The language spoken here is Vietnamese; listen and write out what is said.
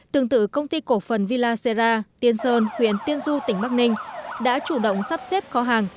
tương tự công ty cổ phần villa xera tiên sơn huyện tiên du tỉnh bắc ninh đã chủ động sắp xếp kho hàng